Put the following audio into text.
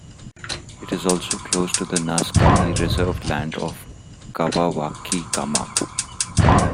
It is also close to the Naskapi reserved land of Kawawachikamach.